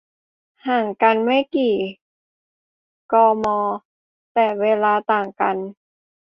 ห่างกันไม่กี่ กม แต่เวลาต่างกัน